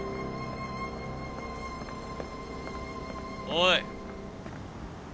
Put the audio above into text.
おい。